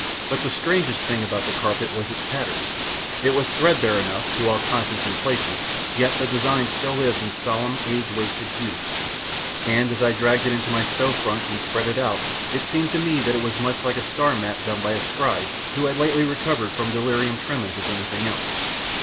But the strangest thing about that carpet was its pattern. It was threadbare enough to all conscience in places, yet the design still lived in solemn, age wasted hues, and, as I dragged it to my stove front and spread it out, it seemed to me that it was as much like a star map done by a scribe who had lately recovered from delirium tremens as anything else.